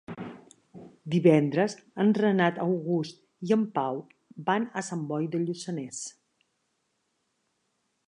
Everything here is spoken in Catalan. Divendres en Renat August i en Pau van a Sant Boi de Lluçanès.